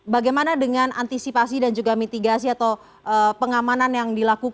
bagaimana dengan antisipasi dan juga mitigasi atau pengamanan yang dilakukan